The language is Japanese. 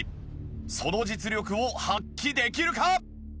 その実力を発揮できるか？